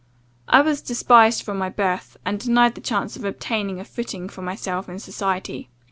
I was despised from my birth, and denied the chance of obtaining a footing for myself in society.